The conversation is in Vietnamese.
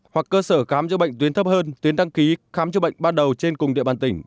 hoặc cơ sở khám chữa bệnh tuyến thấp hơn tuyến đăng ký khám chữa bệnh ban đầu trên cùng địa bàn tỉnh